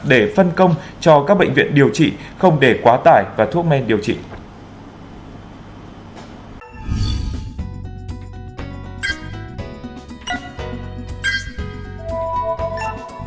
để phân công cho các bệnh viện điều trị không để quá tải và thuốc men điều trị